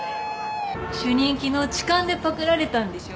主任昨日痴漢でパクられたんでしょ？